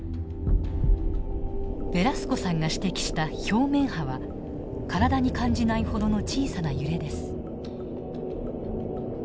ヴェラスコさんが指摘した表面波は体に感じないほどの小さな揺れです。